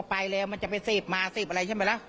ไปแล้วมันจะไปเสพมาเสพอะไรใช่ไหมล่ะ